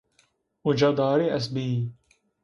Uca darî est bîyî